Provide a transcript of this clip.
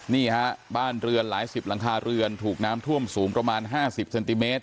นี่ฮะบ้านเรือนหลายสิบหลังคาเรือนถูกน้ำท่วมสูงประมาณ๕๐เซนติเมตร